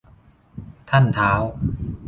ท่านท้าว